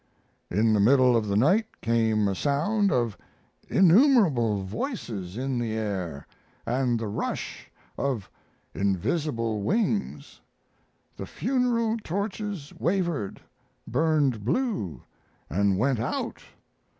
In the middle of the night came a sound of innumerable voices in the air and the rush of invisible wings; the funeral torches wavered, burned blue, and went out.